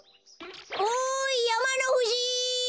おいやまのふじ！